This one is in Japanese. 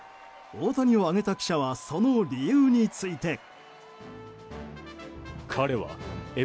大谷を挙げた記者はその理由について。